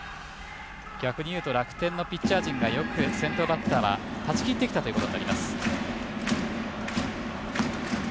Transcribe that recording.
逆に言うと楽天のピッチャー陣がよく先頭バッター断ち切ってきたということになります。